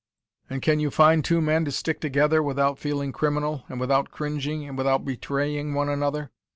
"And can you find two men to stick together, without feeling criminal, and without cringing, and without betraying one another?